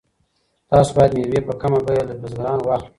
تاسو باید مېوې په کمه بیه له بزګرانو واخلئ.